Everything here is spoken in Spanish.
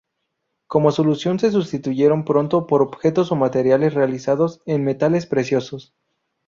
Como solución se sustituyeron pronto por objetos o materiales realizados en metales preciosos.